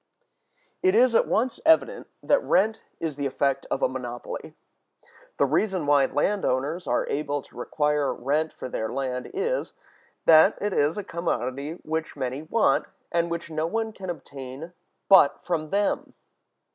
It is at once evident that rent is the effect of a monopoly. The reason why land owners are able to require rent for their land is, that it is a commodity which many want, and which no one can obtain but from them.